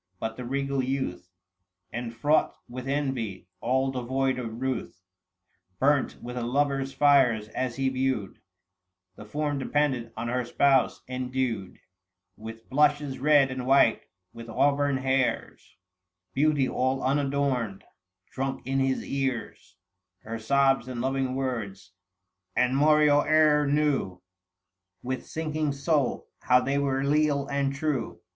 But the regal youth, Enfraught with envy — all devoid of ruth — Burnt with a lover's fires, as he viewed The form dependant on her spouse, endued 820 With blushes red and white, with auburn hairs — Beauty all unadorned ; drunk in his ears Her sobs and loving words ; and moreover knew, With sinking soul, how they were leal and true.